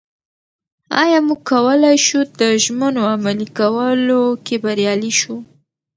ایا موږ کولای شو د ژمنو عملي کولو کې بریالي شو؟